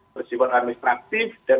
presiden administratif dan